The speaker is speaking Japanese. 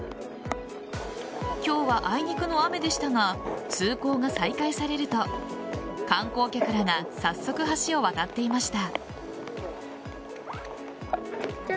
今日はあいにくの雨でしたが通行が再開されると観光客らが早速、橋を渡って行きました。